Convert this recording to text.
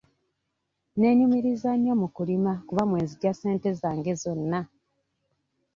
Neenyumiriza nnyo mu kulima kuba mwe nzigye ssente zange zonna.